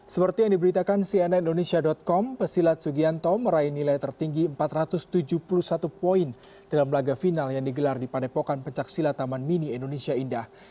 seperti yang diberitakan cnn indonesia com pesilat sugianto meraih nilai tertinggi empat ratus tujuh puluh satu poin dalam laga final yang digelar di padepokan pencaksilat taman mini indonesia indah